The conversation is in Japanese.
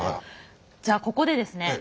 じゃあここでですね